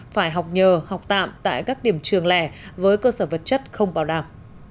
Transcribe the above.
phải học nhờ học tạm tại các điểm trường lẻ với cơ sở vật chất không bảo đảm